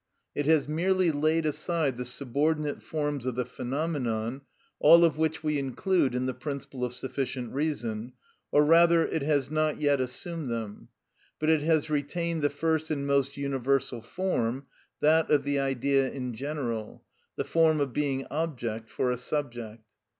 It has merely laid aside the subordinate forms of the phenomenon, all of which we include in the principle of sufficient reason, or rather it has not yet assumed them; but it has retained the first and most universal form, that of the idea in general, the form of being object for a subject.